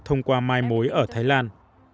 thông qua mai mối ở thái lan